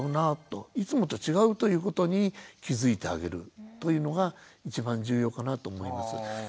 いつもと違うということに気付いてあげるというのが一番重要かなと思います。